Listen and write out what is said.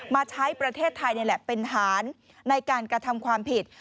มาใช้ประเทศไทยนี่แหละเป็นฐานในการกระทำความผิด